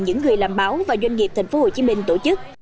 những người làm báo và doanh nghiệp tp hcm tổ chức